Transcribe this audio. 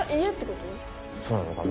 そうなのかな？